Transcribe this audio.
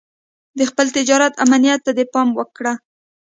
د خپل تجارت امنيت ته دې پام کړی.